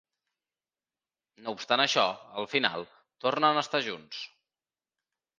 No obstant això, al final, tornen a estar junts.